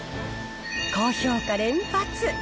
高評価連発。